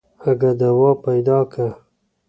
اگه دوا پيدا که.